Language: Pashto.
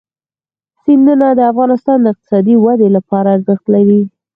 سیندونه د افغانستان د اقتصادي ودې لپاره ارزښت لري.